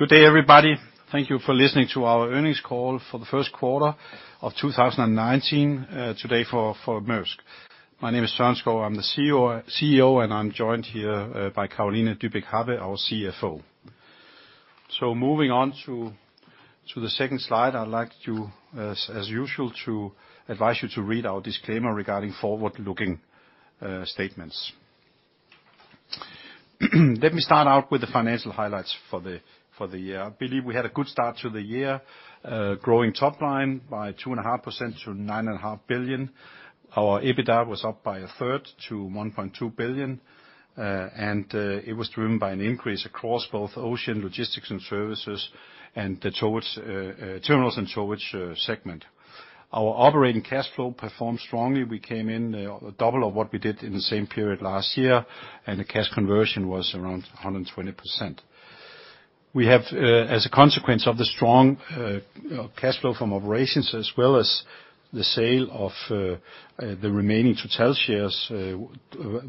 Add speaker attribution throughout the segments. Speaker 1: Good day, everybody. Thank you for listening to our earnings call for the first quarter of 2019 today for Maersk. My name is Søren Skou, I'm the CEO, and I'm joined here by Carolina Dybeck Happe, our CFO. Moving on to the second slide, I'd like to, as usual, advise you to read our disclaimer regarding forward-looking statements. Let me start out with the financial highlights for the year. I believe we had a good start to the year, growing top line by 2.5% to $9.5 billion. Our EBITDA was up by a third to $1.2 billion, and it was driven by an increase across both ocean Logistics & Services, and the terminals and towage segment. Our operating cash flow performed strongly. We came in double of what we did in the same period last year, and the cash conversion was around 120%. We have, as a consequence of the strong cash flow from operations, as well as the sale of the remaining Total S.A. shares,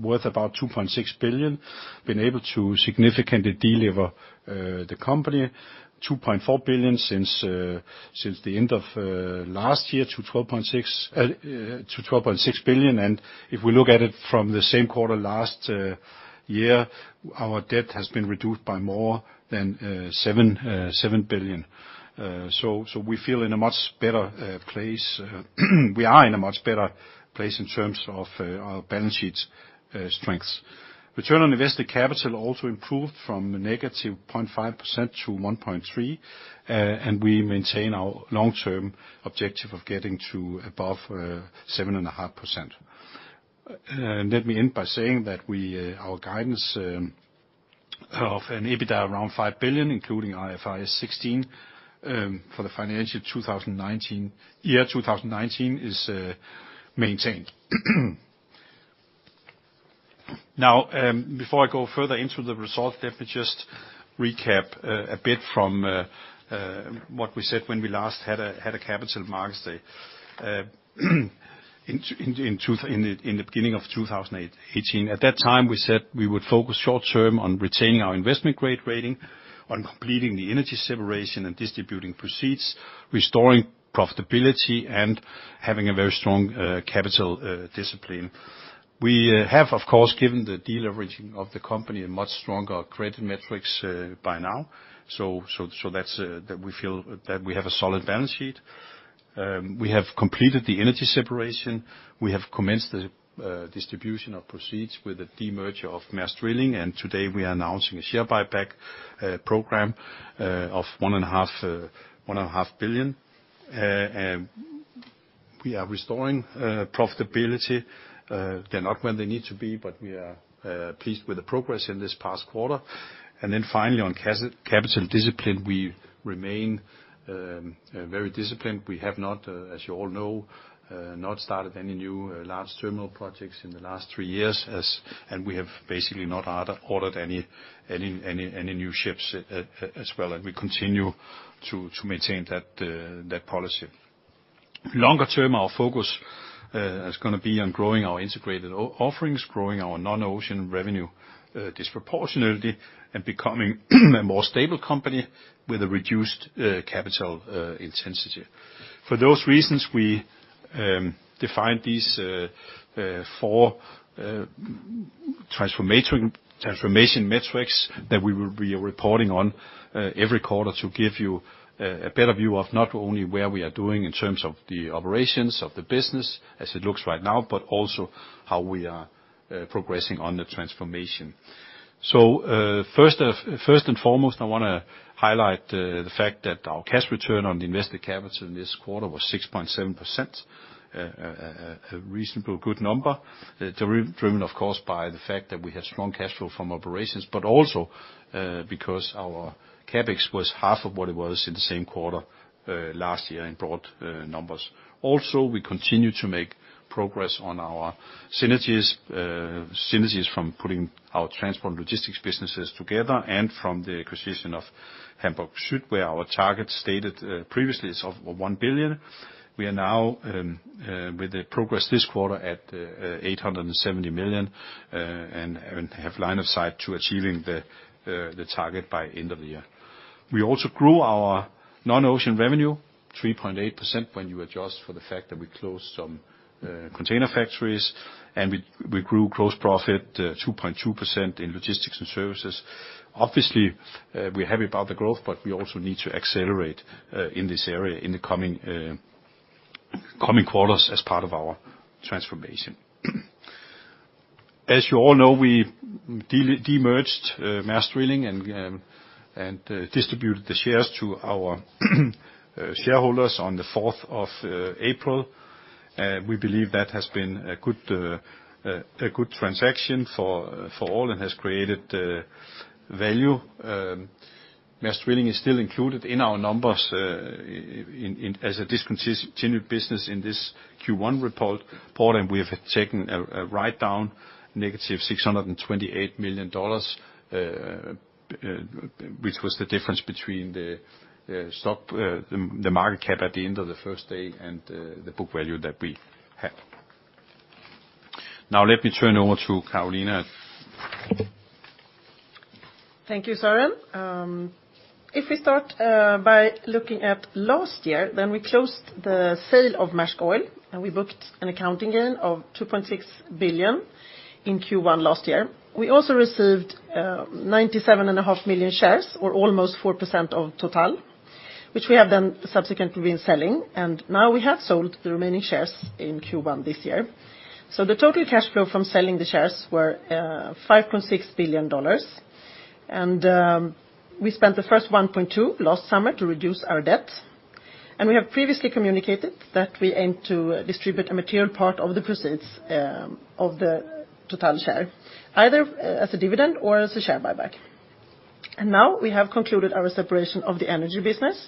Speaker 1: worth about $2.6 billion, been able to significantly delever the company $2.4 billion since the end of last year to $12.6 billion. If we look at it from the same quarter last year, our debt has been reduced by more than $7 billion. We feel in a much better place. We are in a much better place in terms of our balance sheet strengths. Return on invested capital also improved from negative 0.5% to 1.3%, and we maintain our long-term objective of getting to above 7.5%. Let me end by saying that our guidance of an EBITDA around $5 billion, including IFRS 16 for the financial year 2019, is maintained. Before I go further into the results, let me just recap a bit from what we said when we last had a Capital Markets Day in the beginning of 2018. At that time, we said we would focus short-term on retaining our investment-grade rating, on completing the energy separation and distributing proceeds, restoring profitability, and having a very strong capital discipline. We have, of course, given the deleveraging of the company a much stronger credit metrics by now. We feel that we have a solid balance sheet. We have completed the energy separation. We have commenced the distribution of proceeds with the demerger of Maersk Drilling, and today we are announcing a share buyback program of $1.5 billion. We are restoring profitability. They're not where they need to be, but we are pleased with the progress in this past quarter. Finally, on capital discipline, we remain very disciplined. We have not, as you all know, not started any new large terminal projects in the last three years, and we have basically not ordered any new ships as well, and we continue to maintain that policy. Longer term, our focus is going to be on growing our integrated offerings, growing our non-ocean revenue disproportionately, and becoming a more stable company with a reduced capital intensity. For those reasons, we defined these four transformation metrics that we will be reporting on every quarter to give you a better view of not only where we are doing in terms of the operations of the business as it looks right now, but also how we are progressing on the transformation. First and foremost, I want to highlight the fact that our cash return on invested capital in this quarter was 6.7%, a reasonably good number, driven, of course, by the fact that we had strong cash flow from operations, but also because our CapEx was half of what it was in the same quarter last year in broad numbers. We continue to make progress on our synergies from putting our transport Logistics & Services businesses together and from the acquisition of Hamburg Süd, where our target stated previously is of $1 billion. We are now, with the progress this quarter, at $870 million, and have line of sight to achieving the target by end of the year. We also grew our non-ocean revenue 3.8% when you adjust for the fact that we closed some container factories, and we grew gross profit 2.2% in Logistics & Services. Obviously, we're happy about the growth, but we also need to accelerate in this area in the coming quarters as part of our transformation. As you all know, we demerged Maersk Drilling and distributed the shares to our shareholders on the 4th of April. We believe that has been a good transaction for all and has created value. Maersk Drilling is still included in our numbers as a discontinued business in this Q1 report, and we have taken a write-down negative $628 million, which was the difference between the market cap at the end of the first day and the book value that we had. Now let me turn over to Carolina.
Speaker 2: Thank you, Søren. We start by looking at last year, then we closed the sale of Maersk Oil, and we booked an accounting gain of $2.6 billion in Q1 last year. We also received 97.5 million shares, or almost 4% of Total, which we have then subsequently been selling. Now we have sold the remaining shares in Q1 this year. The total cash flow from selling the shares were $5.6 billion. We spent the first $1.2 billion last summer to reduce our debt, and we have previously communicated that we aim to distribute a material part of the proceeds of the Total share, either as a dividend or as a share buyback. Now we have concluded our separation of the energy business,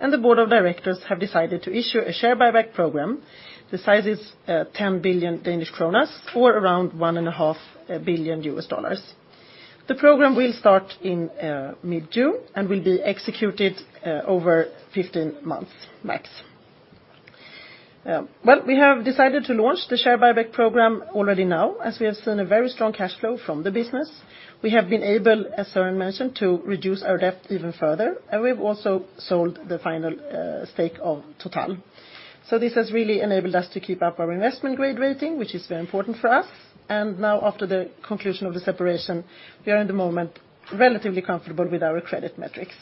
Speaker 2: and the board of directors have decided to issue a share buyback program. The size is 10 billion Danish kroner, or around $1.5 billion. The program will start in mid-June and will be executed over 15 months max. Well, we have decided to launch the share buyback program already now, as we have seen a very strong cash flow from the business. We have been able, as Søren mentioned, to reduce our debt even further, and we've also sold the final stake of Total. This has really enabled us to keep up our investment-grade rating, which is very important for us. Now after the conclusion of the separation, we are in the moment relatively comfortable with our credit metrics.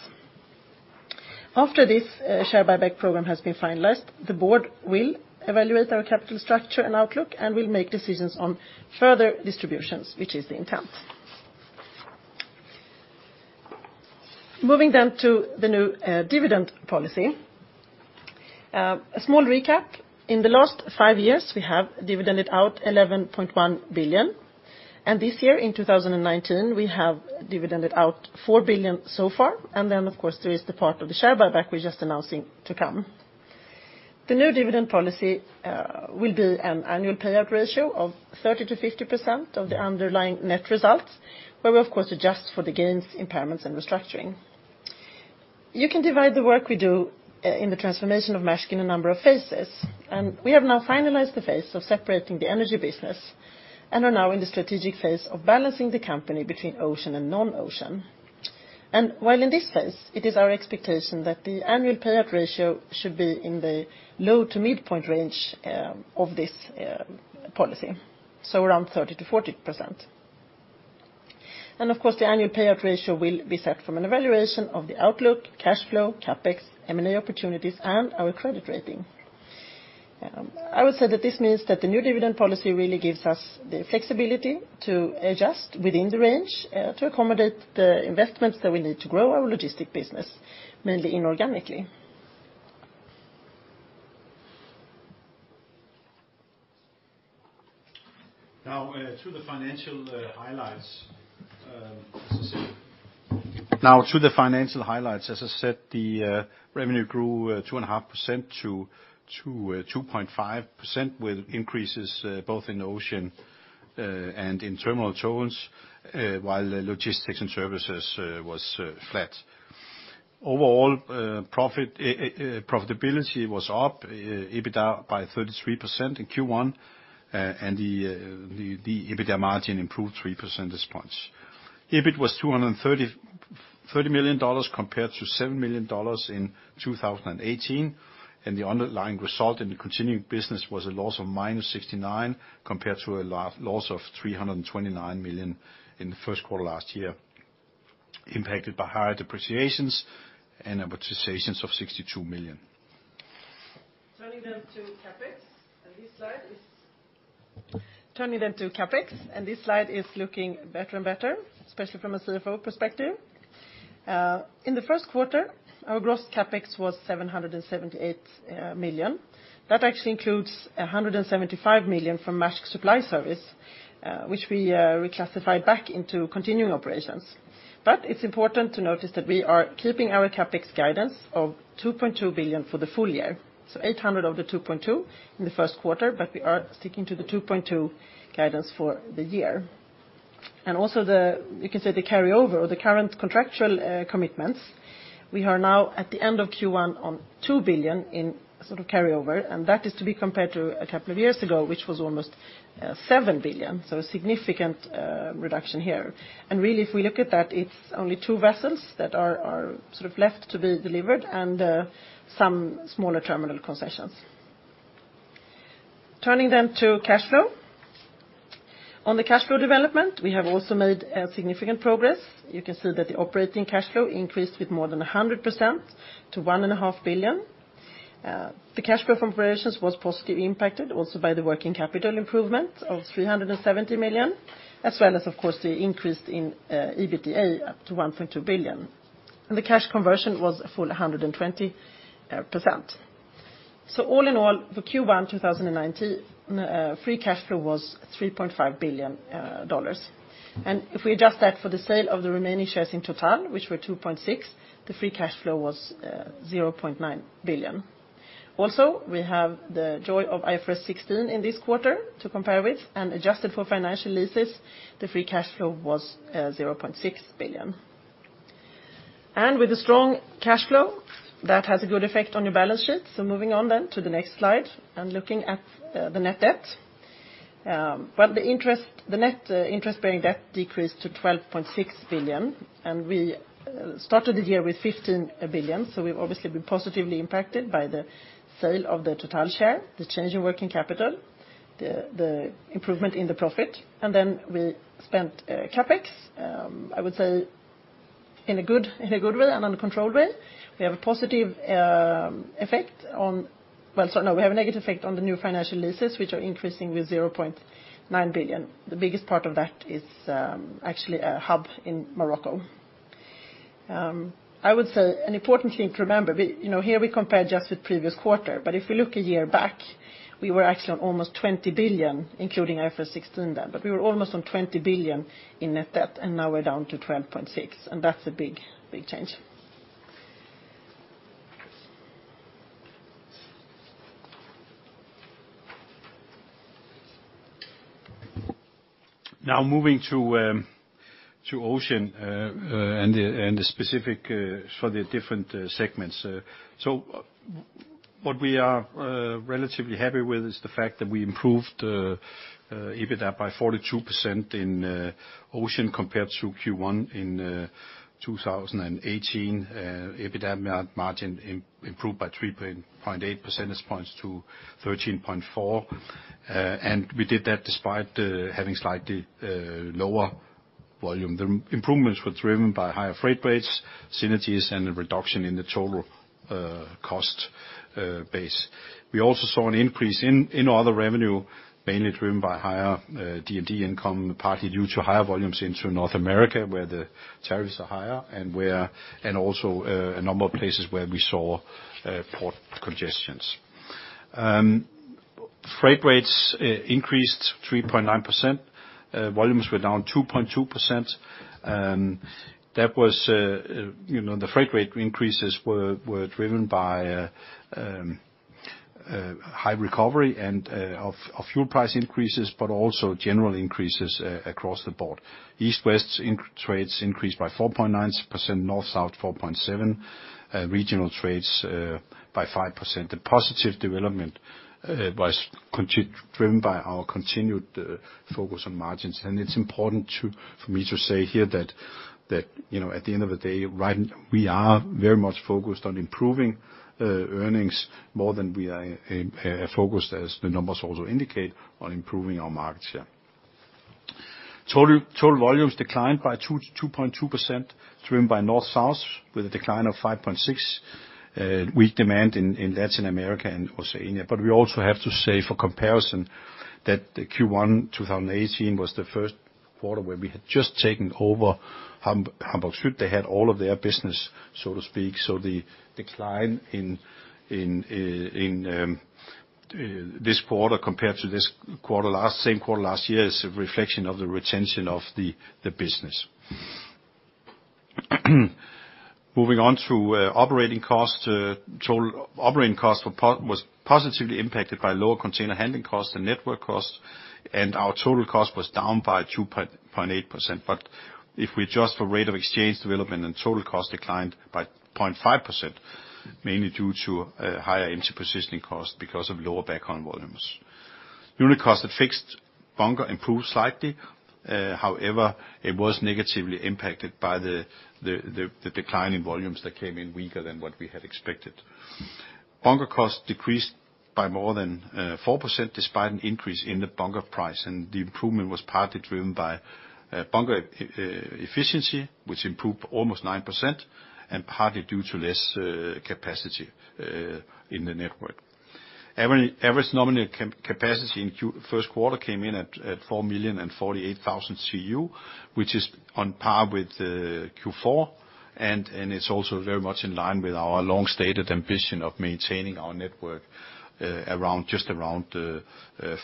Speaker 2: After this share buyback program has been finalized, the board will evaluate our capital structure and outlook and will make decisions on further distributions, which is the intent. Moving to the new dividend policy. A small recap. In the last five years, we have dividended out $11.1 billion, and this year, in 2019, we have dividended out $4 billion so far. Of course, there is the part of the share buyback we're just announcing to come. The new dividend policy will be an annual payout ratio of 30%-50% of the underlying net results, where we of course adjust for the gains, impairments, and restructuring. You can divide the work we do in the transformation of Maersk in a number of phases. We have now finalized the phase of separating the energy business and are now in the strategic phase of balancing the company between ocean and non-ocean. While in this phase, it is our expectation that the annual payout ratio should be in the low to midpoint range of this policy, so around 30%-40%. Of course, the annual payout ratio will be set from an evaluation of the outlook, cash flow, CapEx, M&A opportunities, and our credit rating. I would say that this means that the new dividend policy really gives us the flexibility to adjust within the range to accommodate the investments that we need to grow our logistic business, mainly inorganically.
Speaker 1: Now to the financial highlights. As I said, the revenue grew 2.5% with increases both in ocean and in terminal tows, while Logistics & Services was flat. Overall, profitability was up, EBITDA by 33% in Q1, and the EBITDA margin improved 3 percentage points. EBIT was $230 million compared to $7 million in 2018. The underlying result in the continuing business was a loss of -$69 million compared to a loss of $329 million in the first quarter last year, impacted by higher depreciations and amortizations of $62 million.
Speaker 2: Turning to CapEx, this slide is looking better and better, especially from a CFO perspective. In the first quarter, our gross CapEx was $778 million. That actually includes $175 million from Maersk Supply Service, which we reclassified back into continuing operations. It's important to notice that we are keeping our CapEx guidance of $2.2 billion for the full year. $800 million of the $2.2 billion in the first quarter, we are sticking to the $2.2 billion guidance for the year. Also, you can say the carryover or the current contractual commitments, we are now at the end of Q1 on $2 billion in carryover, that is to be compared to a couple of years ago, which was almost $7 billion. A significant reduction here. Really, if we look at that, it's only two vessels that are left to be delivered and some smaller terminal concessions. Turning to cash flow. On the cash flow development, we have also made significant progress. You can see that the operating cash flow increased with more than 100% to $1.5 billion. The cash flow from operations was positively impacted also by the working capital improvement of $370 million, as well as, of course, the increase in EBITDA up to $1.2 billion. The cash conversion was a full 120%. All in all, for Q1 2019, free cash flow was $3.5 billion. If we adjust that for the sale of the remaining shares in Total, which were $2.6 billion, the free cash flow was $0.9 billion. We have the joy of IFRS 16 in this quarter to compare with, adjusted for financial leases, the free cash flow was $0.6 billion. With a strong cash flow, that has a good effect on your balance sheet. Moving on to the next slide and looking at the net debt. The net interest bearing debt decreased to $12.6 billion. We started the year with $15 billion. We've obviously been positively impacted by the sale of the Total share, the change in working capital, the improvement in the profit. We spent CapEx, I would say in a good way and uncontrolled way. We have a negative effect on the new financial leases, which are increasing with $0.9 billion. The biggest part of that is actually a hub in Morocco. I would say an important thing to remember, here we compare just with the previous quarter, but if we look a year back, we were actually on almost $20 billion, including IFRS 16 then, but we were almost on $20 billion in net debt, now we're down to $12.6 billion, that's a big change.
Speaker 1: Moving to Ocean, specific for the different segments. What we are relatively happy with is the fact that we improved EBITDA by 42% in Ocean compared to Q1 in 2018. EBITDA margin improved by 3.8 percentage points to 13.4%. We did that despite having slightly lower volume. The improvements were driven by higher freight rates, synergies, and a reduction in the total cost base. We also saw an increase in other revenue, mainly driven by higher D&D income, partly due to higher volumes into North America, where the tariffs are higher and also a number of places where we saw port congestions. Freight rates increased 3.9%. Volumes were down 2.2%. The freight rate increases were driven by high recovery of fuel price increases, but also general increases across the board. East-West trades increased by 4.9%, North-South 4.7%, regional trades by 5%. The positive development was driven by our continued focus on margins. It's important for me to say here that at the end of the day, we are very much focused on improving earnings more than we are focused, as the numbers also indicate, on improving our market share. Total volumes declined by 2.2%, driven by North-South with a decline of 5.6%. Weak demand in Latin America and Oceania. We also have to say, for comparison, that the Q1 2018 was the first quarter where we had just taken over Hamburg Süd. They had all of their business, so to speak. So the decline in this quarter compared to same quarter last year is a reflection of the retention of the business. Moving on to operating costs. Total operating cost was positively impacted by lower container handling costs and network costs, our total cost was down by 2.8%. If we adjust for rate of exchange development, total cost declined by 0.5%, mainly due to higher empty positioning cost because of lower background volumes. Unit cost at fixed bunker improved slightly, however, it was negatively impacted by the decline in volumes that came in weaker than what we had expected. Bunker costs decreased by more than 4%, despite an increase in the bunker price, the improvement was partly driven by bunker efficiency, which improved almost 9%, and partly due to less capacity in the network. Average nominated capacity in first quarter came in at 4,048,000 TEU, which is on par with Q4, and it's also very much in line with our long-stated ambition of maintaining our network just around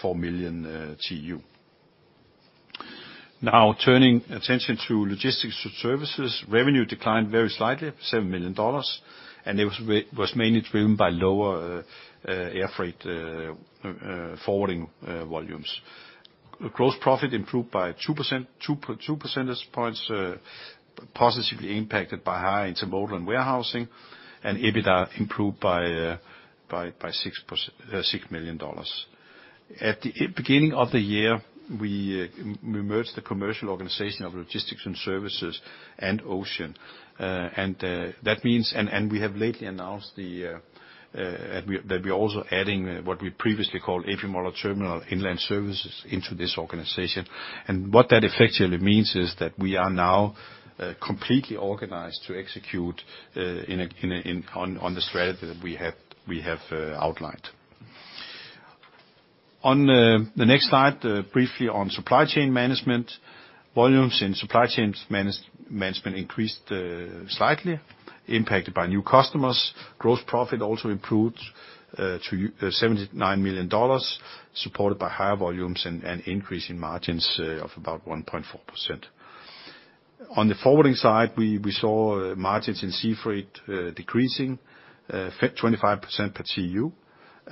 Speaker 1: 4 million TEU. Now turning attention to Logistics & Services. Revenue declined very slightly, $7 million, it was mainly driven by lower air freight forwarding volumes. Gross profit improved by 2 percentage points, positively impacted by higher intermodal and warehousing, EBITDA improved by $6 million. At the beginning of the year, we merged the commercial organization of Logistics & Services and Ocean. We have lately announced that we're also adding what we previously called A.P. Møller Terminals inland services into this organization. What that effectively means is that we are now completely organized to execute on the strategy that we have outlined. On the next slide, briefly on Supply Chain Management. Volumes in Supply Chain Management increased slightly, impacted by new customers. Gross profit also improved to $79 million, supported by higher volumes and an increase in margins of about 1.4%. On the forwarding side, we saw margins in sea freight decreasing 25% per TEU.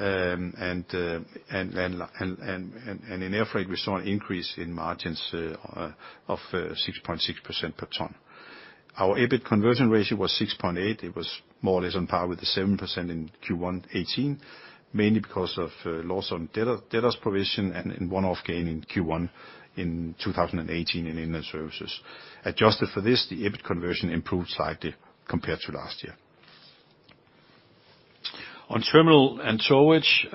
Speaker 1: In air freight, we saw an increase in margins of 6.6% per ton. Our EBIT conversion ratio was 6.8%. It was more or less on par with the 7% in Q1 2018, mainly because of loss on Delos provision and one-off gain in Q1 in 2018 in inland services. Adjusted for this, the EBIT conversion improved slightly compared to last year. On terminal and towage,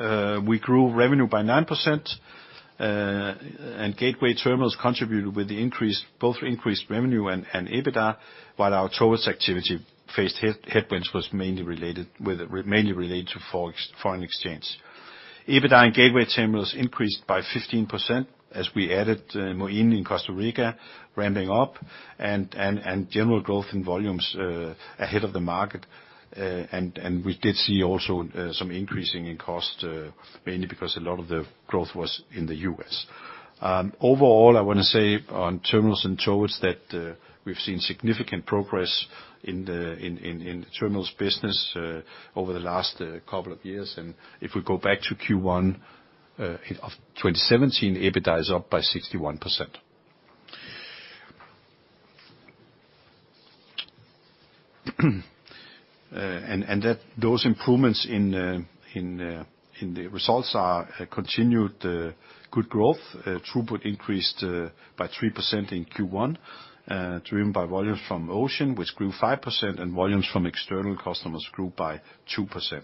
Speaker 1: we grew revenue by 9%, gateway terminals contributed with both increased revenue and EBITDA, while our towage activity faced headwinds, was mainly related to foreign exchange. EBITDA and gateway terminals increased by 15% as we added Moín in Costa Rica ramping up, general growth in volumes ahead of the market. We did see also some increasing in cost, mainly because a lot of the growth was in the U.S. I want to say on terminals and towage, that we've seen significant progress in terminals business over the last couple of years. If we go back to Q1 2017, EBITDA is up by 61%. Those improvements in the results are continued good growth. Throughput increased by 3% in Q1, driven by volumes from Ocean, which grew 5%, and volumes from external customers grew by 2%.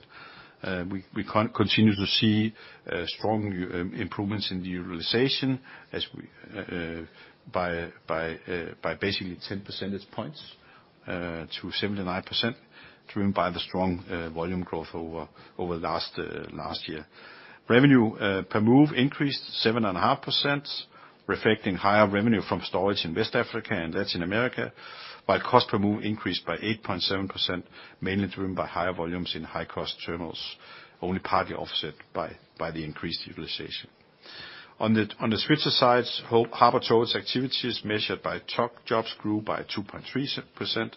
Speaker 1: We continue to see strong improvements in the utilization by basically 10 percentage points, to 79%, driven by the strong volume growth over last year. Revenue per move increased 7.5%, reflecting higher revenue from storage in West Africa and Latin America, while cost per move increased by 8.7%, mainly driven by higher volumes in high-cost terminals, only partly offset by the increased utilization. On the Svitzer side, harbor towage activities measured by tug jobs grew by 2.3%.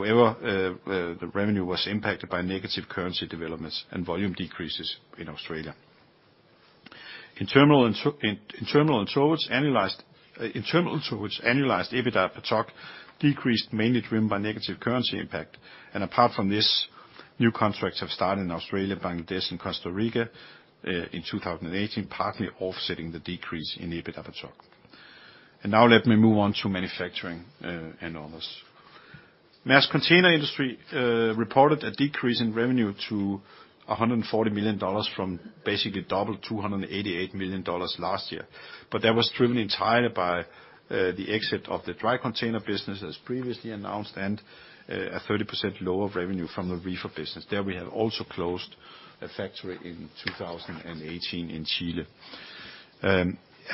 Speaker 1: The revenue was impacted by negative currency developments and volume decreases in Australia. In terminal and towage, annualized EBITDA per tug decreased, mainly driven by negative currency impact. Apart from this, new contracts have started in Australia, Bangladesh, and Costa Rica in 2018, partly offsetting the decrease in EBITDA per tug. Let me move on to manufacturing and others. Maersk Container Industry reported a decrease in revenue to $140 million from basically double, $288 million last year. That was driven entirely by the exit of the dry container business, as previously announced, and a 30% lower revenue from the reefer business. There, we have also closed a factory in 2018 in Chile.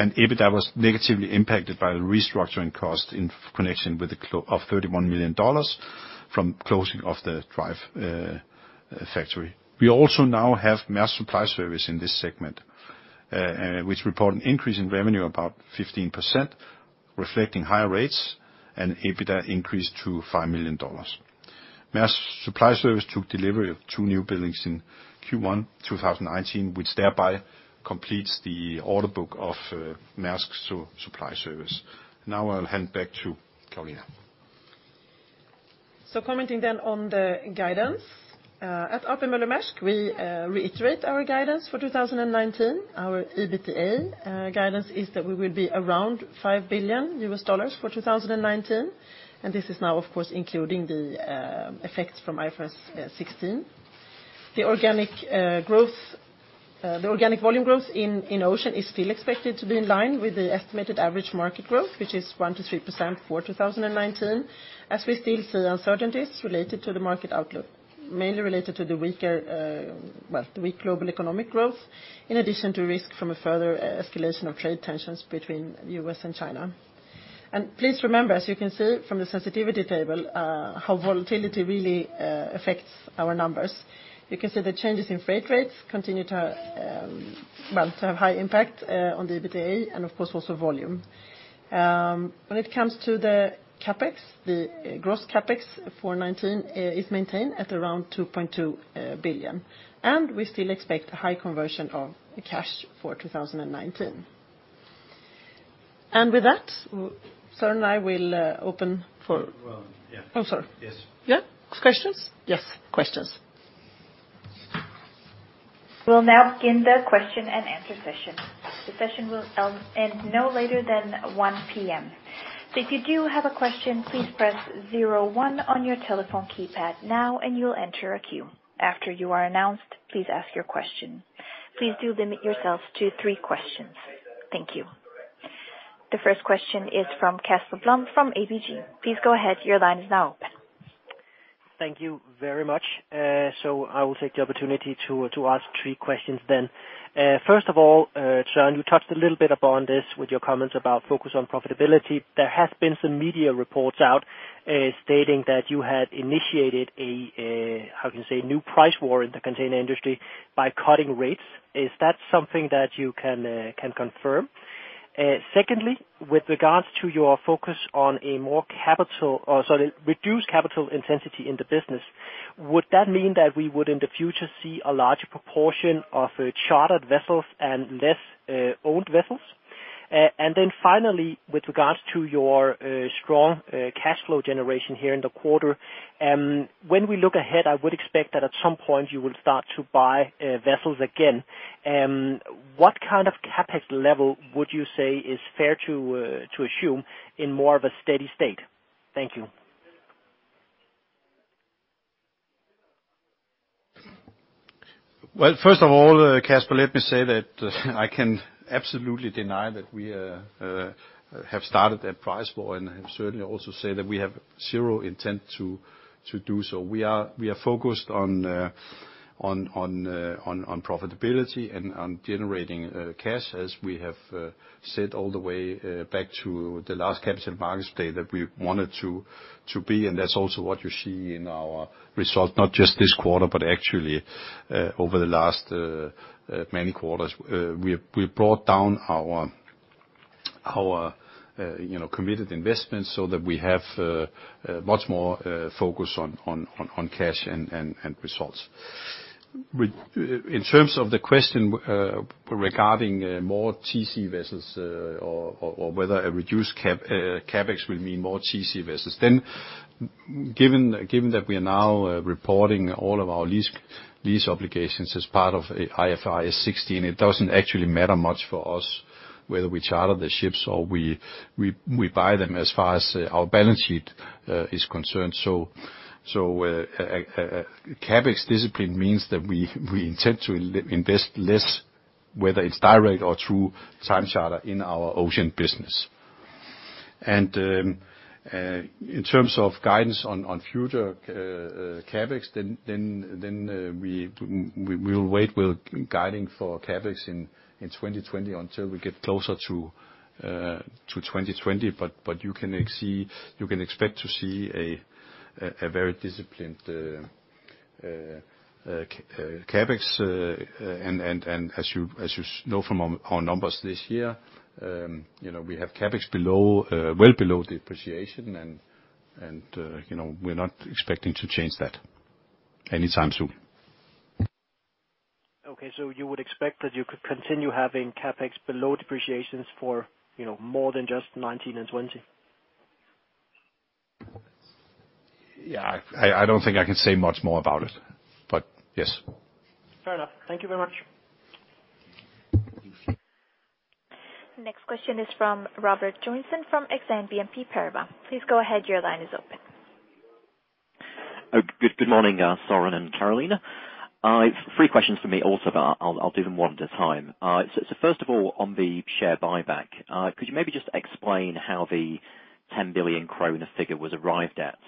Speaker 1: EBITDA was negatively impacted by the restructuring cost in connection with $31 million from closing of the dry factory. We also now have Maersk Supply Service in this segment, which report an increase in revenue about 15%, reflecting higher rates and EBITDA increase to $5 million. Maersk Supply Service took delivery of two new buildings in Q1 2019, which thereby completes the order book of Maersk Supply Service. I'll hand back to Carolina.
Speaker 2: Commenting on the guidance. At A.P. Møller - Mærsk, we reiterate our guidance for 2019. Our EBITDA guidance is that we will be around $5 billion for 2019, this is now, of course, including the effects from IFRS 16. The organic volume growth in Ocean is still expected to be in line with the estimated average market growth, which is 1%-3% for 2019. We still see uncertainties related to the market outlook, mainly related to the weak global economic growth, in addition to risk from a further escalation of trade tensions between the U.S. and China. Please remember, as you can see from the sensitivity table, how volatility really affects our numbers. You can see the changes in freight rates continue to have high impact on the EBITDA and of course also volume. When it comes to the CapEx, the gross CapEx for 2019 is maintained at around $2.2 billion. We still expect a high conversion of cash for 2019. With that, Søren and I will open for questions.
Speaker 1: Well, yeah.
Speaker 2: Oh, sorry.
Speaker 1: Yes.
Speaker 2: Yeah. Questions? Yes, questions.
Speaker 3: We'll now begin the question and answer session. The session will end no later than 1:00 P.M. If you do have a question, please press 01 on your telephone keypad now and you'll enter a queue. After you are announced, please ask your question. Please do limit yourselves to three questions. Thank you. The first question is from Casper Blom from ABG. Please go ahead. Your line is now open.
Speaker 4: Thank you very much. I will take the opportunity to ask three questions. First of all, Søren, you touched a little bit upon this with your comments about focus on profitability. There has been some media reports out stating that you had initiated a new price war in the container industry by cutting rates. Is that something that you can confirm? Secondly, with regards to your focus on a more reduced capital intensity in the business, would that mean that we would, in the future, see a larger proportion of chartered vessels and less owned vessels? Then finally, with regards to your strong cash flow generation here in the quarter, when we look ahead, I would expect that at some point you will start to buy vessels again. What kind of CapEx level would you say is fair to assume in more of a steady state? Thank you.
Speaker 1: Well, first of all, Casper, let me say that I can absolutely deny that we have started that price war, and certainly also say that we have zero intent to do so. We are focused on profitability and on generating cash, as we have said all the way back to the last Capital Markets Day, that we wanted to be, and that's also what you see in our results, not just this quarter, but actually over the last many quarters. We brought down our committed investments so that we have much more focus on cash and results. In terms of the question regarding more TC vessels or whether a reduced CapEx will mean more TC vessels, then given that we are now reporting all of our lease obligations as part of IFRS 16, it doesn't actually matter much for us whether we charter the ships or we buy them, as far as our balance sheet is concerned. CapEx discipline means that we intend to invest less, whether it's direct or through time charter in our ocean business. In terms of guidance on future CapEx, then we'll wait with guiding for CapEx in 2020 until we get closer to 2020. You can expect to see a very disciplined CapEx, and as you know from our numbers this year, we have CapEx well below depreciation, and we're not expecting to change that anytime soon.
Speaker 4: Okay. You would expect that you could continue having CapEx below depreciations for more than just 2019 and 2020?
Speaker 1: Yeah. I don't think I can say much more about it, but yes.
Speaker 4: Fair enough. Thank you very much.
Speaker 3: Next question is from Robert Joynson from Exane BNP Paribas. Please go ahead, your line is open.
Speaker 5: Good morning, Søren Skou and Carolina. Three questions from me also, but I'll do them one at a time. First of all, on the share buyback, could you maybe just explain how the 10 billion kroner figure was arrived at?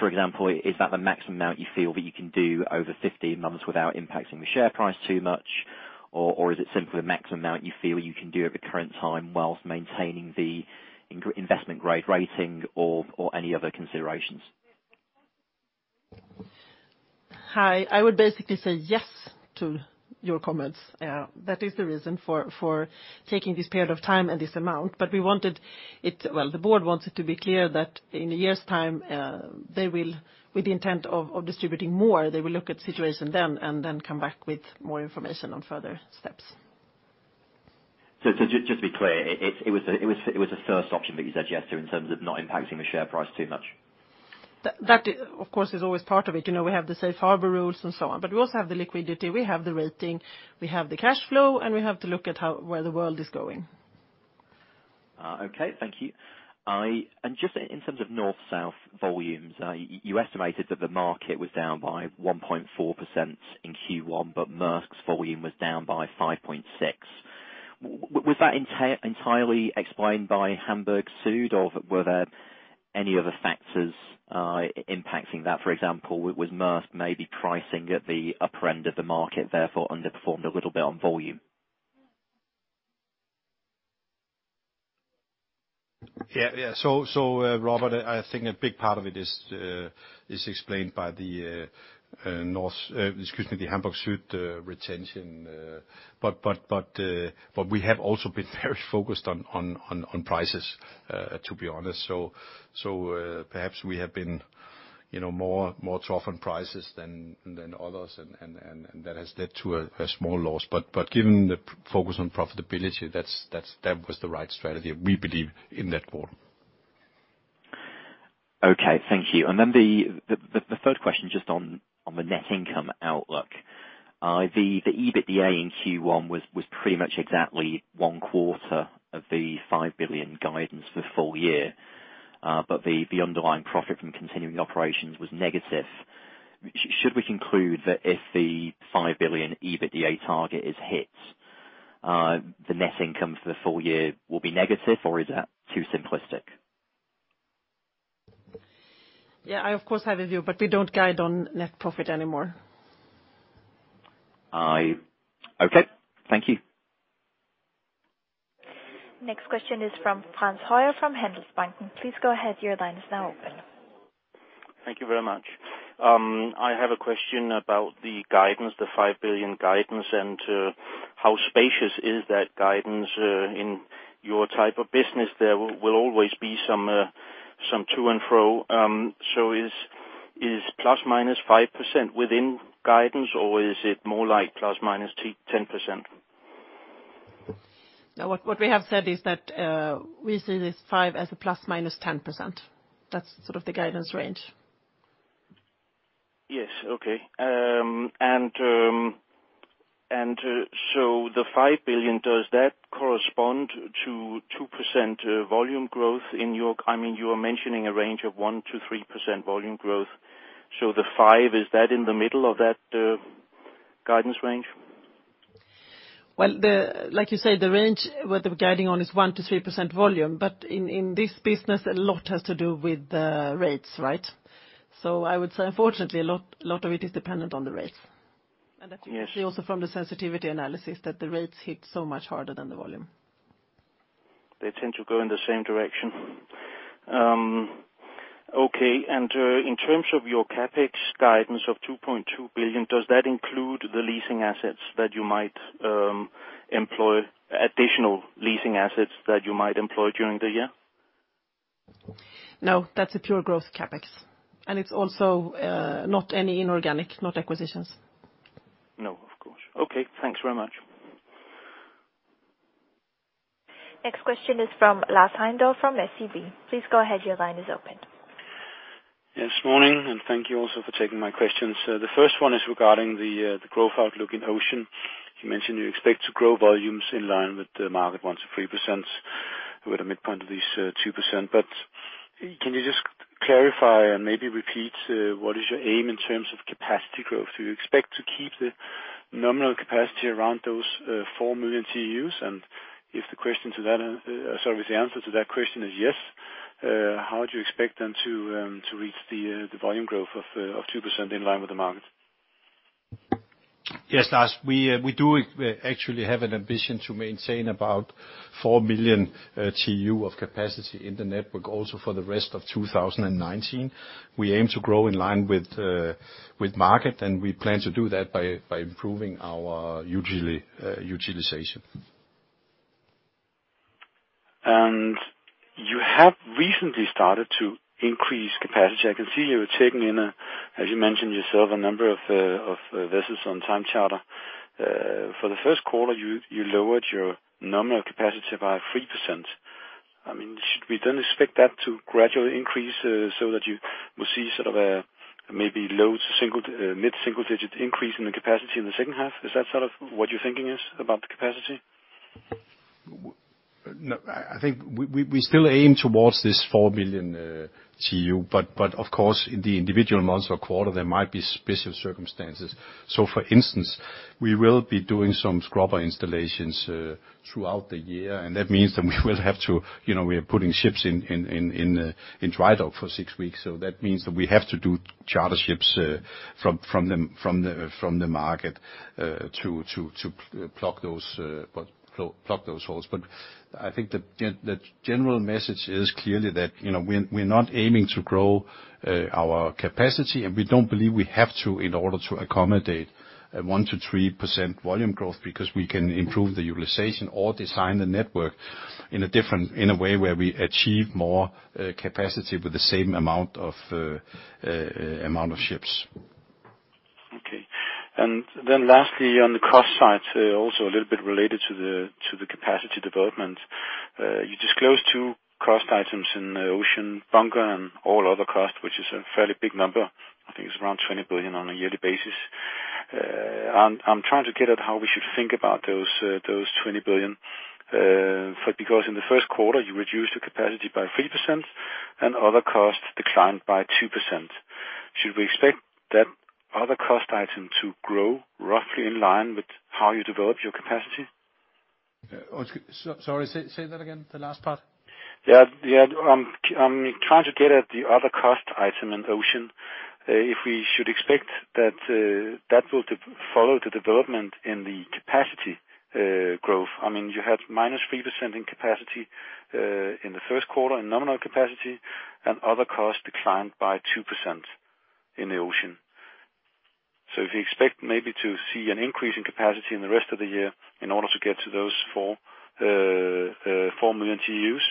Speaker 5: For example, is that the maximum amount you feel that you can do over 15 months without impacting the share price too much? Or is it simply the maximum amount you feel you can do at the current time whilst maintaining the investment grade rating or any other considerations?
Speaker 2: Hi. I would basically say yes to your comments. That is the reason for taking this period of time and this amount, the board wanted to be clear that in a year's time, with the intent of distributing more, they will look at situation then and then come back with more information on further steps.
Speaker 5: Just to be clear, it was the first option that you said yes to in terms of not impacting the share price too much.
Speaker 2: That, of course, is always part of it. We have the safe harbor rules and so on, but we also have the liquidity, we have the rating, we have the cash flow, and we have to look at where the world is going.
Speaker 5: Okay, thank you. Just in terms of north-south volumes, you estimated that the market was down by 1.4% in Q1, but Maersk's volume was down by 5.6%. Was that entirely explained by Hamburg Süd, or were there any other factors impacting that? For example, was Maersk maybe pricing at the upper end of the market, therefore underperformed a little bit on volume?
Speaker 1: Yeah. Robert, I think a big part of it is explained by the Hamburg Süd retention. We have also been very focused on prices, to be honest. Perhaps we have been more tough on prices than others, and that has led to a small loss. Given the focus on profitability, that was the right strategy, we believe, in that quarter.
Speaker 5: Okay, thank you. Then the third question, just on the net income outlook. The EBITDA in Q1 was pretty much exactly one quarter of the $5 billion guidance for full year. The underlying profit from continuing operations was negative. Should we conclude that if the $5 billion EBITDA target is hit, the net income for the full year will be negative, or is that too simplistic?
Speaker 2: Yeah, I of course have a view, but we don't guide on net profit anymore.
Speaker 5: Okay. Thank you.
Speaker 3: Next question is from Frans Høyer from Handelsbanken. Please go ahead, your line is now open.
Speaker 6: Thank you very much. I have a question about the guidance, the $5 billion guidance, how spacious is that guidance? In your type of business, there will always be some. Some to and fro. Is ±5% within guidance or is it more like ±10%?
Speaker 2: No, what we have said is that we see this 5 as a ±10%. That is sort of the guidance range.
Speaker 6: Yes, okay. The 5 billion, does that correspond to 2% volume growth in your-- I mean, you are mentioning a range of 1%-3% volume growth. The 5, is that in the middle of that guidance range?
Speaker 2: Well, like you said, the range, what we are guiding on is 1%-3% volume, but in this business, a lot has to do with the rates, right? I would say unfortunately a lot of it is dependent on the rates.
Speaker 6: Yes.
Speaker 2: That's actually also from the sensitivity analysis that the rates hit so much harder than the volume.
Speaker 6: They tend to go in the same direction. Okay, in terms of your CapEx guidance of 2.2 billion, does that include the leasing assets that you might employ, additional leasing assets that you might employ during the year?
Speaker 2: No, that's a pure growth CapEx, it's also not any inorganic, not acquisitions.
Speaker 6: No, of course. Okay. Thanks very much.
Speaker 3: Next question is from Lars Heindorff from SEB. Please go ahead, your line is open.
Speaker 7: Morning, thank you also for taking my questions. The first one is regarding the growth outlook in Ocean. You mentioned you expect to grow volumes in line with the market, 1%-3%, with a midpoint of this 2%. Can you just clarify and maybe repeat what is your aim in terms of capacity growth? Do you expect to keep the nominal capacity around those 4 million TEUs? If the answer to that question is yes, how do you expect them to reach the volume growth of 2% in line with the market?
Speaker 1: Lars, we do actually have an ambition to maintain about 4 million TEU of capacity in the network also for the rest of 2019. We aim to grow in line with market, we plan to do that by improving our utilization.
Speaker 7: You have recently started to increase capacity. I can see you are taking in, as you mentioned yourself, a number of vessels on time charter. For the first quarter, you lowered your nominal capacity by 3%. Should we expect that to gradually increase so that you will see sort of maybe low mid-single-digit increase in the capacity in the second half? Is that sort of what your thinking is about the capacity?
Speaker 1: No, I think we still aim towards this 4 million TEU, of course, in the individual months or quarter, there might be special circumstances. For instance, we will be doing some scrubber installations throughout the year, and that means that we are putting ships in dry dock for six weeks, so that means that we have to do charter ships from the market to plug those holes. I think the general message is clearly that we're not aiming to grow our capacity, and we don't believe we have to in order to accommodate a 1% to 3% volume growth because we can improve the utilization or design the network in a way where we achieve more capacity with the same amount of ships.
Speaker 7: Okay. Lastly, on the cost side, also a little bit related to the capacity development. You disclosed two cost items in Ocean, bunker and all other cost, which is a fairly big number. I think it's around 20 billion on a yearly basis. I'm trying to get at how we should think about those 20 billion, because in the first quarter you reduced the capacity by 3% and other costs declined by 2%. Should we expect that other cost item to grow roughly in line with how you develop your capacity?
Speaker 1: Sorry, say that again, the last part.
Speaker 7: Yeah. I'm trying to get at the other cost item in Ocean, if we should expect that will follow the development in the capacity growth. You had minus 3% in capacity in the first quarter, in nominal capacity, and other costs declined by 2% in the Ocean. If you expect maybe to see an increase in capacity in the rest of the year in order to get to those 4 million TEUs,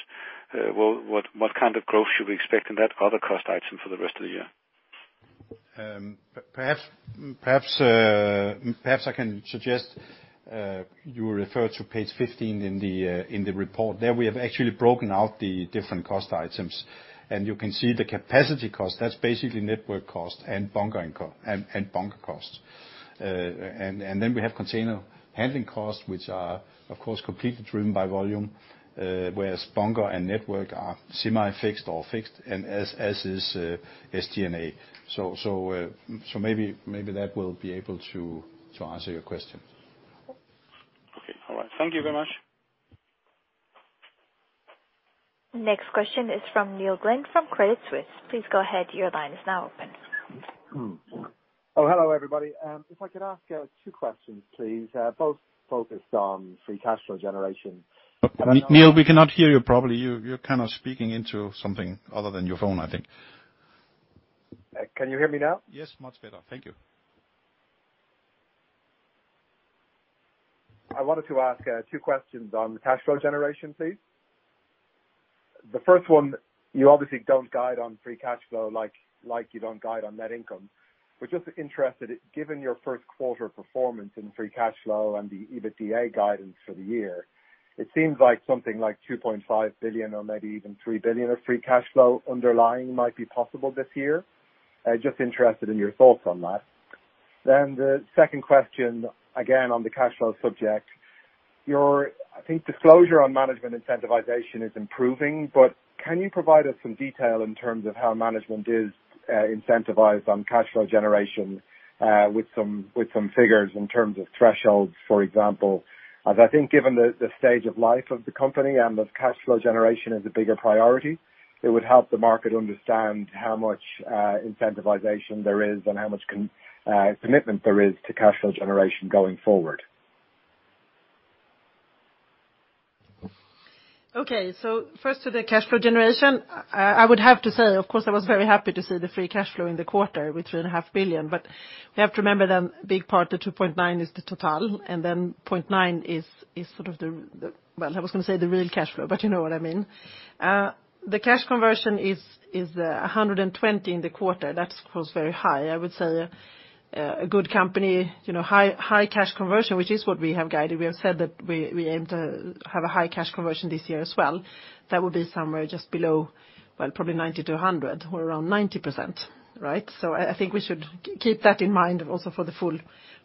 Speaker 7: what kind of growth should we expect in that other cost item for the rest of the year?
Speaker 1: Perhaps I can suggest, you refer to page 15 in the report. There we have actually broken out the different cost items. You can see the capacity cost, that's basically network cost and bunker costs. We have container handling costs, which are, of course, completely driven by volume, whereas bunker and network are semi-fixed or fixed, and as is SG&A. Maybe that will be able to answer your question.
Speaker 7: Okay. All right. Thank you very much.
Speaker 3: Next question is from Neil Glynn from Credit Suisse. Please go ahead, your line is now open.
Speaker 8: Oh, hello, everybody. If I could ask two questions, please, both focused on free cash flow generation.
Speaker 1: Neil, we cannot hear you properly. You're kind of speaking into something other than your phone, I think.
Speaker 8: Can you hear me now?
Speaker 1: Yes, much better. Thank you.
Speaker 8: I wanted to ask two questions on the cash flow generation, please. The first one, you obviously don't guide on free cash flow, like you don't guide on net income. We're just interested, given your first quarter performance and free cash flow and the EBITDA guidance for the year, it seems like something like $2.5 billion or maybe even $3 billion of free cash flow underlying might be possible this year. Just interested in your thoughts on that. The second question, again, on the cash flow subject. Your, I think disclosure on management incentivization is improving, but can you provide us some detail in terms of how management is incentivized on cash flow generation, with some figures in terms of thresholds, for example? I think given the stage of life of the company and of cash flow generation as a bigger priority, it would help the market understand how much incentivization there is and how much commitment there is to cash flow generation going forward.
Speaker 2: First to the cash flow generation. I would have to say, of course, I was very happy to see the free cash flow in the quarter with three and a half billion. We have to remember big part, the $2.9 is the total, and $0.9 is sort of the, well, I was going to say the real cash flow, but you know what I mean. The cash conversion is 120% in the quarter. That is of course very high. I would say a good company, high cash conversion, which is what we have guided. We have said that we aim to have a high cash conversion this year as well. That will be somewhere just below, well, probably 90%-100% or around 90%. Right. I think we should keep that in mind also for the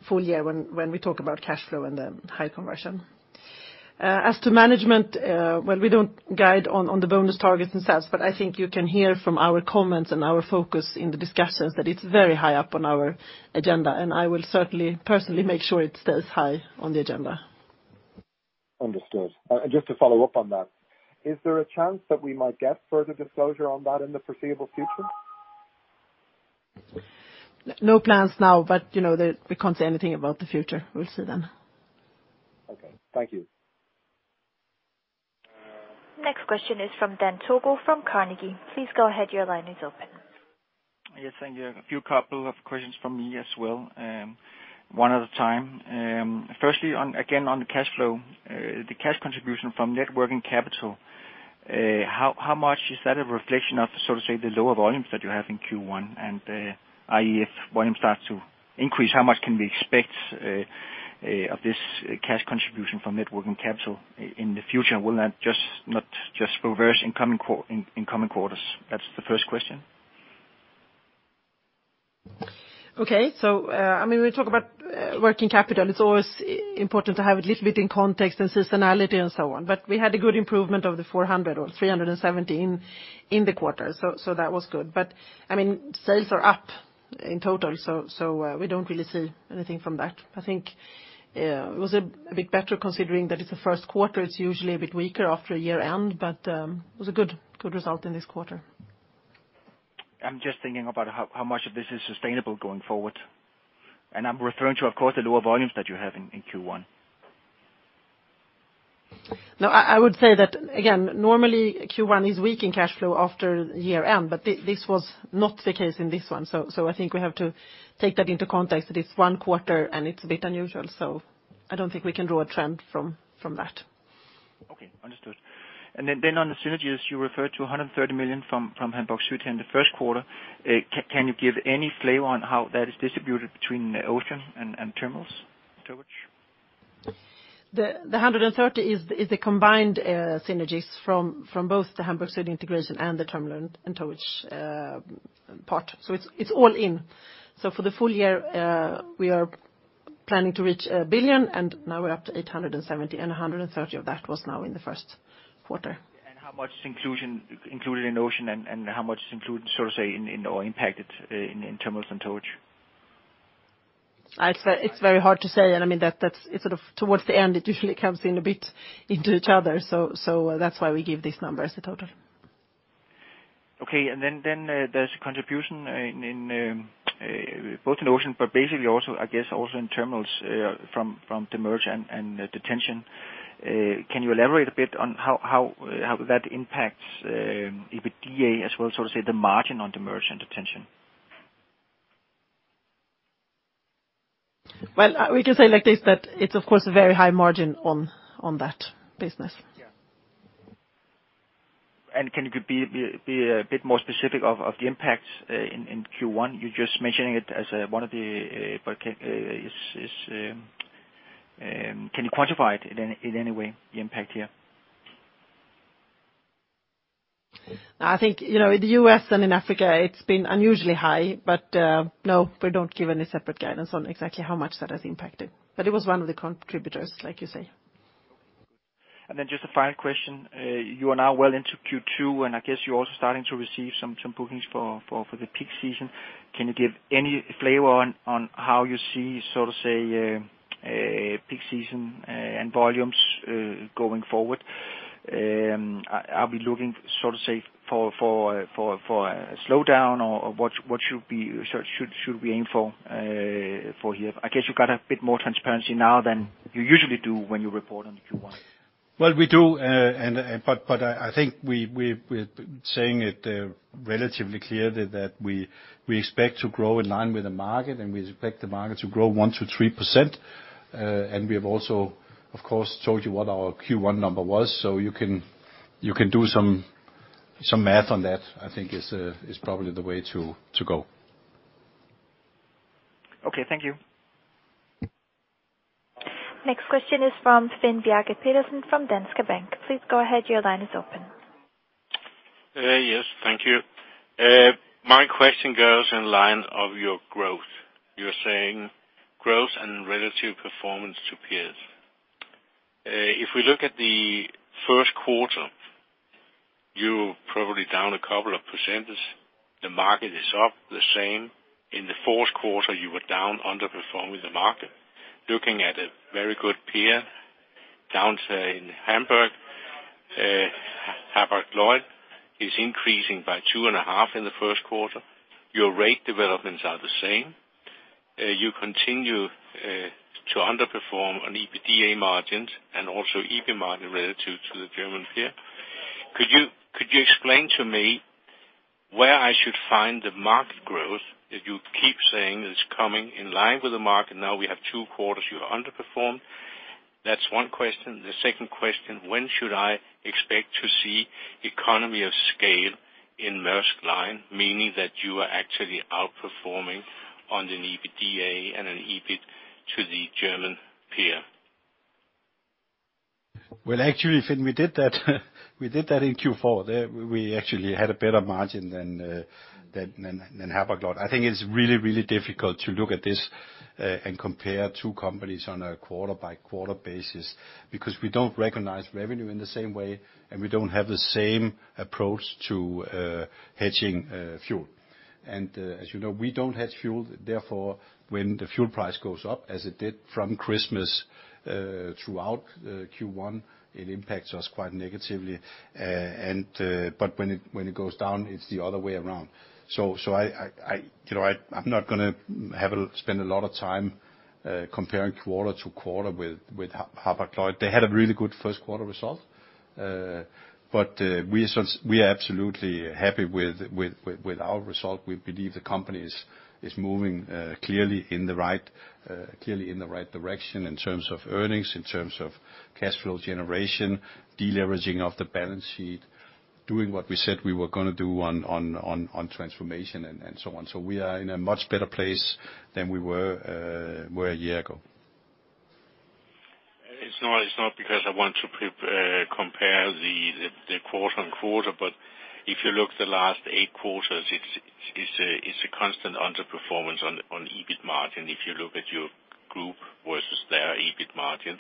Speaker 2: full year when we talk about cash flow and the high conversion. As to management, well, we don't guide on the bonus targets ourselves, but I think you can hear from our comments and our focus in the discussions that it's very high up on our agenda, and I will certainly, personally make sure it stays high on the agenda.
Speaker 8: Understood. Just to follow up on that. Is there a chance that we might get further disclosure on that in the foreseeable future?
Speaker 2: No plans now, we can't say anything about the future. We'll see then.
Speaker 8: Okay. Thank you.
Speaker 3: Next question is from Dan Togo, from Carnegie. Please go ahead. Your line is open.
Speaker 9: Yes, thank you. A few couple of questions from me as well. One at a time. Firstly, again, on the cash flow. The cash contribution from net working capital. How much is that a reflection of, so to say, the lower volumes that you have in Q1 and, i.e., if volume starts to increase, how much can we expect of this cash contribution from net working capital in the future? Will that not just reverse in coming quarters? That's the first question.
Speaker 2: Okay. When we talk about working capital, it's always important to have it little bit in context and seasonality and so on. We had a good improvement of 400 or 370 in the quarter. That was good. Sales are up in total, we don't really see anything from that. I think it was a bit better considering that it's the first quarter. It's usually a bit weaker after a year end, it was a good result in this quarter.
Speaker 9: I'm just thinking about how much of this is sustainable going forward. I'm referring to, of course, the lower volumes that you have in Q1.
Speaker 2: No, I would say that again, normally Q1 is weak in cash flow after year end, this was not the case in this one. I think we have to take that into context that it's one quarter and it's a bit unusual. I don't think we can draw a trend from that.
Speaker 9: Okay. Understood. Then on the synergies, you referred to 130 million from Hamburg Süd in the first quarter. Can you give any flavor on how that is distributed between the Ocean and Terminals, Towage?
Speaker 2: The 130 is the combined synergies from both the Hamburg Süd integration and the terminal and towage part. It's all in. For the full year, we are planning to reach 1 billion, and now we're up to 870, and 130 of that was now in the first quarter.
Speaker 9: How much is included in Ocean and how much is included, so to say, in or impacted in terminals and towage?
Speaker 2: It's very hard to say. I mean that it's sort of towards the end, it usually comes in a bit into each other. That's why we give these numbers a total.
Speaker 9: Okay. Then there's a contribution both in Ocean but basically also, I guess also in terminals from the demurrage and detention. Can you elaborate a bit on how that impacts EBITDA as well, so to say, the margin on the demurrage and detention?
Speaker 2: Well, we can say like this, that it's of course very high margin on that business.
Speaker 9: Yeah. Can you be a bit more specific of the impact in Q1? You're just mentioning it as one of the. Can you quantify it in any way, the impact here?
Speaker 2: I think, in the U.S. and in Africa it's been unusually high. No, we don't give any separate guidance on exactly how much that has impacted. It was one of the contributors, like you say.
Speaker 9: Okay, cool. Just a final question. You are now well into Q2. I guess you're also starting to receive some bookings for the peak season. Can you give any flavor on how you see, so to say, peak season and volumes going forward? Are we looking, so to say, for a slowdown or what should we aim for here? I guess you've got a bit more transparency now than you usually do when you report on the quarter.
Speaker 1: We do, but I think we're saying it relatively clearly that we expect to grow in line with the market. We expect the market to grow 1%-3%. We have also, of course, told you what our Q1 number was. You can do some math on that, I think is probably the way to go.
Speaker 9: Okay. Thank you.
Speaker 3: Next question is from Finn Bjarke Petersen from Danske Bank. Please go ahead. Your line is open.
Speaker 10: Yes. Thank you. My question goes in line of your growth. You're saying growth and relative performance to peers. If we look at the first quarter, you're probably down a couple of percentage. The market is up the same. In the fourth quarter, you were down, underperforming the market. Looking at a very good peer down in Hamburg, Hapag-Lloyd, is increasing by 2.5 in the first quarter. Your rate developments are the same. You continue to underperform on EBITDA margins and also EBIT margin relative to the German peer. Could you explain to me where I should find the market growth that you keep saying is coming in line with the market? Now we have 2 quarters you've underperformed. That's 1 question. The second question, when should I expect to see economy of scale in Maersk Line, meaning that you are actually outperforming on an EBITDA and an EBIT to the German peer?
Speaker 1: Well, actually, Finn, we did that in Q4. There we actually had a better margin than Hapag-Lloyd. I think it's really difficult to look at this and compare two companies on a quarter-by-quarter basis, because we don't recognize revenue in the same way, and we don't have the same approach to hedging fuel. As you know, we don't hedge fuel, therefore, when the fuel price goes up, as it did from Christmas throughout Q1, it impacts us quite negatively. When it goes down, it's the other way around. I'm not going to spend a lot of time comparing quarter-to-quarter with Hapag-Lloyd. They had a really good first quarter result. We are absolutely happy with our result. We believe the company is moving clearly in the right direction in terms of earnings, in terms of cash flow generation, de-leveraging of the balance sheet, doing what we said we were going to do on transformation, and so on. We are in a much better place than we were a year ago.
Speaker 10: It's not because I want to compare the quarter-on-quarter, but if you look the last eight quarters, it's a constant underperformance on EBIT margin, if you look at your group versus their EBIT margin.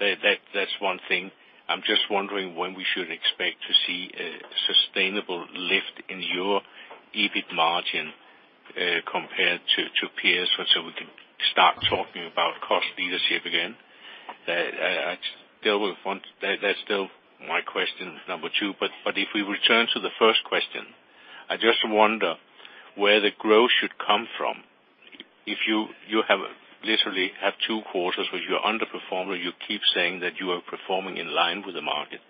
Speaker 10: That's one thing. I'm just wondering when we should expect to see a sustainable lift in your EBIT margin compared to peers, so we can start talking about cost leadership again. That's still my question number two, if we return to the first question, I just wonder where the growth should come from. If you have literally had two quarters where you underperformed, and you keep saying that you are performing in line with the market.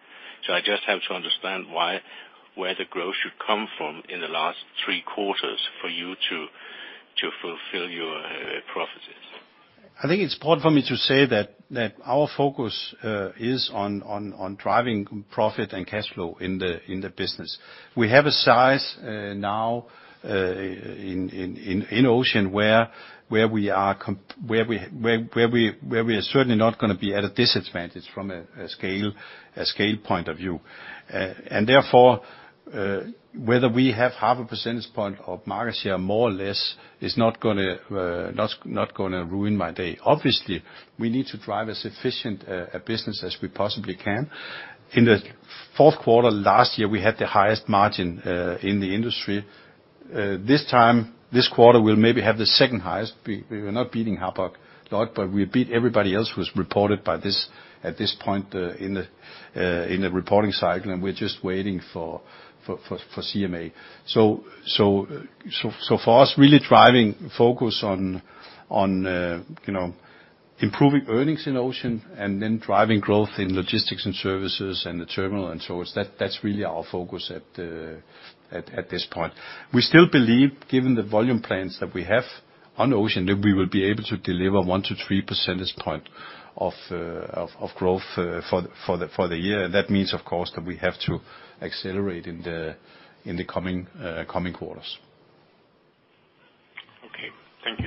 Speaker 10: I just have to understand where the growth should come from in the last three quarters for you to fulfill your prophecies.
Speaker 1: I think it's important for me to say that our focus is on driving profit and cash flow in the business. We have a size now in Ocean where we are certainly not going to be at a disadvantage from a scale point of view. Therefore, whether we have half a percentage point of market share, more or less, is not going to ruin my day. Obviously, we need to drive as efficient a business as we possibly can. In the fourth quarter last year, we had the highest margin in the industry. This quarter, we'll maybe have the second highest. We're not beating Hapag-Lloyd, but we beat everybody else who has reported at this point in the reporting cycle, and we're just waiting for CMA. For us, really driving focus on improving earnings in Ocean and then driving growth in Logistics & Services and the terminal and so on, that's really our focus at this point. We still believe, given the volume plans that we have on Ocean, that we will be able to deliver 1 percentage point-3 percentage points of growth for the year. That means, of course, that we have to accelerate in the coming quarters.
Speaker 10: Okay. Thank you.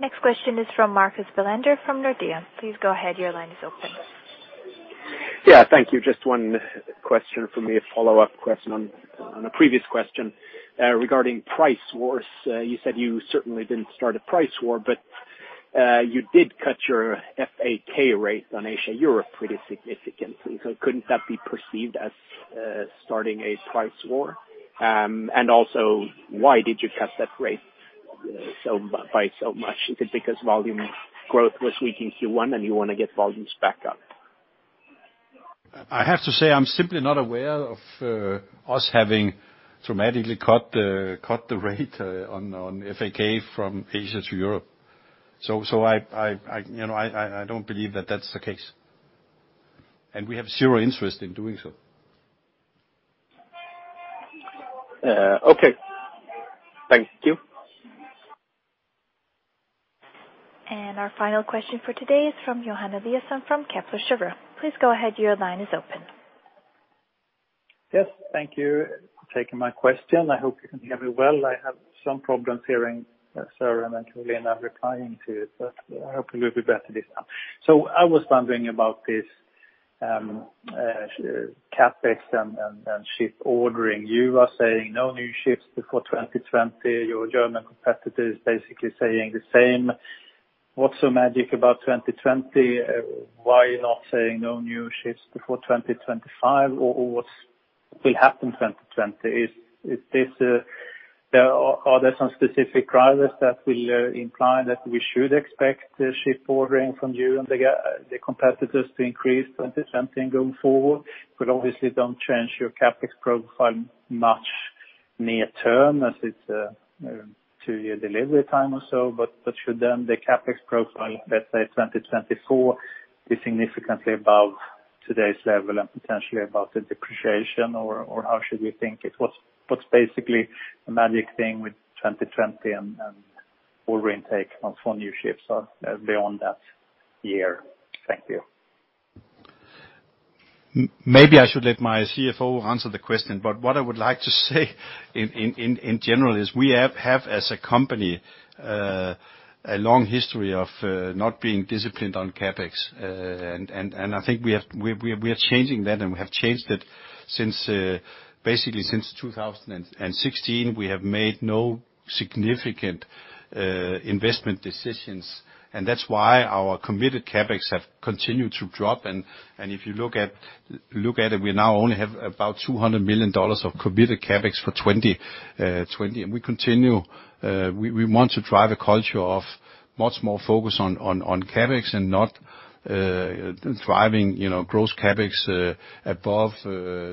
Speaker 3: Next question is from Marcus Bellander from Nordea. Please go ahead. Your line is open.
Speaker 11: Yeah. Thank you. Just one question from me, a follow-up question on a previous question regarding price wars. You said you certainly didn't start a price war, you did cut your FAK rate on Asia-Europe pretty significantly. Couldn't that be perceived as starting a price war? Also, why did you cut that rate by so much? Is it because volume growth was weak in Q1 and you want to get volumes back up?
Speaker 1: I have to say, I'm simply not aware of us having dramatically cut the rate on FAK from Asia to Europe. I don't believe that's the case, and we have zero interest in doing so.
Speaker 11: Okay. Thank you.
Speaker 3: Our final question for today is from Johan Eliason from Kepler Cheuvreux. Please go ahead, your line is open.
Speaker 12: Yes, thank you for taking my question. I hope you can hear me well. I have some problems hearing Søren and Carolina replying to it, but I hope it will be better this time. I was wondering about this CapEx and ship ordering. You are saying no new ships before 2020. Your German competitor is basically saying the same. What's so magic about 2020? Why not say no new ships before 2025, or what will happen 2020? Are there some specific drivers that will imply that we should expect ship ordering from you and the competitors to increase 2020 going forward? Obviously don't change your CapEx profile much near term as it's a two-year delivery time or so, but should then the CapEx profile, let's say 2024, be significantly above today's level and potentially above the depreciation, or how should we think? What's basically the magic thing with 2020 and ordering intake of new ships beyond that year? Thank you.
Speaker 1: Maybe I should let my CFO answer the question, what I would like to say in general is we have, as a company, a long history of not being disciplined on CapEx. I think we are changing that, and we have changed it since 2016. We have made no significant investment decisions, and that's why our committed CapEx have continued to drop. If you look at it, we now only have about $200 million of committed CapEx for 2020. We want to drive a culture of much more focus on CapEx and not driving gross CapEx above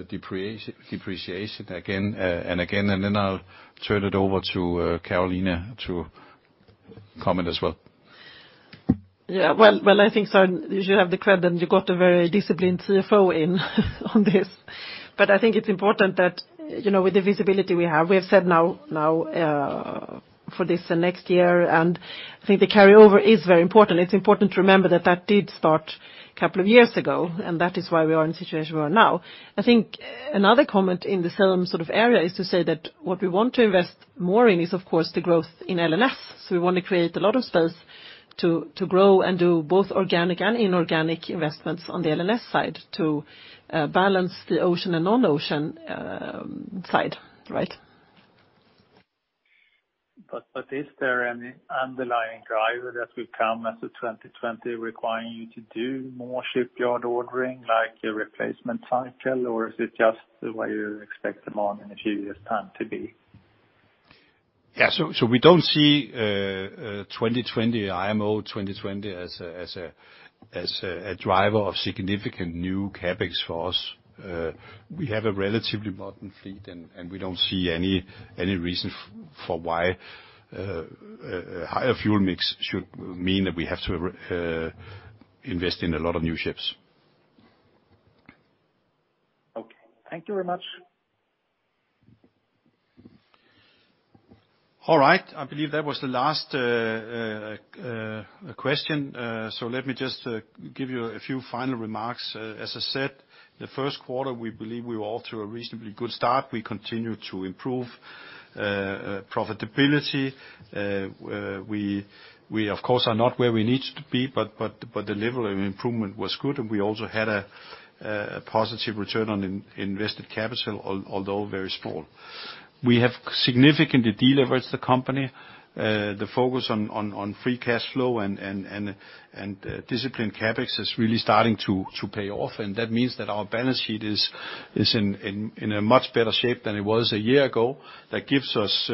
Speaker 1: depreciation again and again. Then I'll turn it over to Carolina to comment as well.
Speaker 2: Well, I think, Søren, you should have the credit, and you got a very disciplined CFO in on this. I think it's important that with the visibility we have, we've said now for this next year, and I think the carryover is very important. It's important to remember that that did start a couple of years ago, and that is why we are in the situation we are now. I think another comment in the same sort of area is to say that what we want to invest more in is, of course, the growth in L&S. We want to create a lot of space to grow and do both organic and inorganic investments on the L&S side to balance the ocean and non-ocean side. Right?
Speaker 12: Is there any underlying driver that will come as of 2020 requiring you to do more shipyard ordering, like a replacement cycle, or is it just the way you expect demand in the future years' time to be?
Speaker 1: We don't see IMO 2020 as a driver of significant new CapEx for us. We have a relatively modern fleet, and we don't see any reason for why higher fuel mix should mean that we have to invest in a lot of new ships.
Speaker 12: Thank you very much.
Speaker 1: I believe that was the last question, let me just give you a few final remarks. As I said, the first quarter, we believe we were off to a reasonably good start. We continue to improve profitability. We, of course, are not where we need to be, but the level of improvement was good, and we also had a positive return on invested capital, although very small. We have significantly deleveraged the company. The focus on free cash flow and disciplined CapEx is really starting to pay off, and that means that our balance sheet is in a much better shape than it was a year ago. That gives us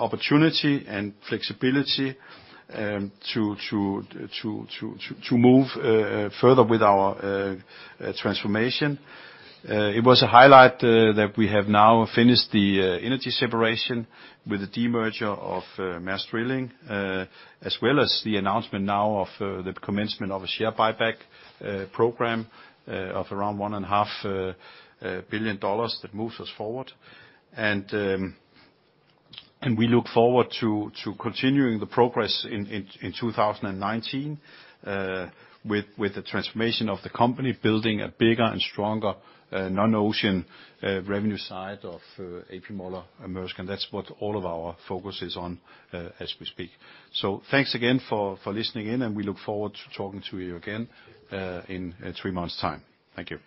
Speaker 1: opportunity and flexibility to move further with our transformation. It was a highlight that we have now finished the energy separation with the demerger of Maersk Drilling, as well as the announcement now of the commencement of a share buyback program of around $1.5 billion that moves us forward. We look forward to continuing the progress in 2019 with the transformation of the company, building a bigger and stronger non-ocean revenue side of A.P. Moller-Maersk. That's what all of our focus is on as we speak. Thanks again for listening in, and we look forward to talking to you again in three months' time. Thank you.